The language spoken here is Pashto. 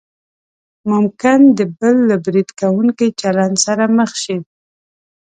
ممکن د بل له برید کوونکي چلند سره مخ شئ.